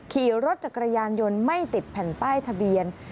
ขี่รถจักรยานยนต์ไม่ติดแผ่นป้ายทะเบียน